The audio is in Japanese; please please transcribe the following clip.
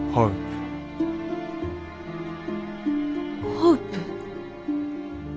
ホープ？